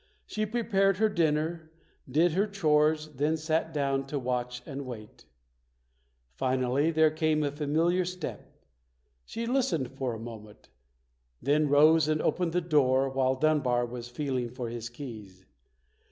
She prepared her dinner, did her chores, then sat down to watch and wait. Finally there came a familiar step. She listened for a moment, then rose and opened the door while Dunbar was feel ing for his keys.